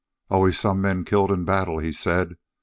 "Always some men killed in battle," he said.